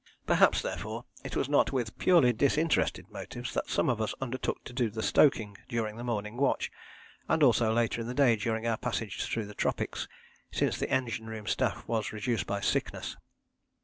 Perhaps therefore it was not with purely disinterested motives that some of us undertook to do the stoking during the morning watch, and also later in the day during our passage through the tropics, since the engine room staff was reduced by sickness.